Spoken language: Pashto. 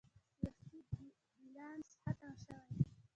ستاسي بلينس ختم شوي